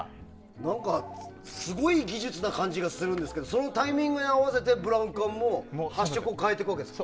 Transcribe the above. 何か、すごい技術な感じがするんですけどそのタイミングに合わせてブラウン管も発色を変えていくわけですか。